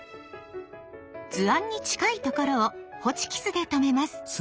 図案に近いところをホチキスでとめます。